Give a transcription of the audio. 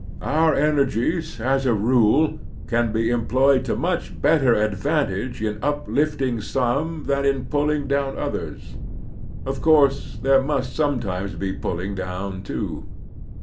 Our energies, as a rule, can be employed to much better advan Christian Citizenship 3x1 tage in uplifting some than in pulling down others. Of course there must sometimes be pulling down, too.